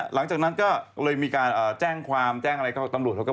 กลัวว่าผมจะต้องไปพูดให้ปากคำกับตำรวจยังไง